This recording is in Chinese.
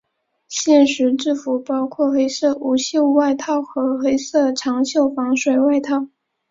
现时制服包括黑色无袖外套和黑色长袖防水外套。